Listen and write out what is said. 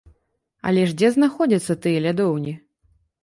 Але ж дзе знаходзяцца тыя лядоўні?